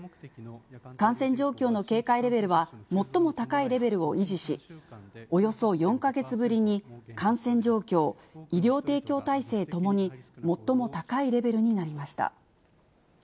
感染状況の警戒レベルは、最も高いレベルを維持し、およそ４か月ぶりに感染状況、医療提供体制ともに最も高いレベルになりました。